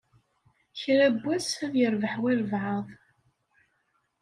Kra n wass ad yerbeḥ walebɛaḍ.